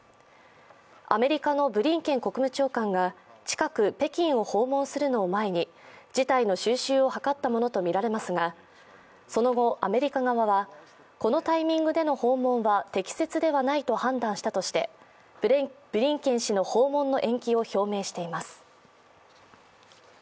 アメリカのブリンケン国務長官が近く北京を訪問するのを前に事態の収拾を図ったものとみられますがその後、アメリカ側はこのタイミングでの訪問は適切ではないと判断したとしてブリンケン氏の訪問の延期を表明しています。